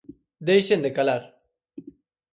Deixen de calar.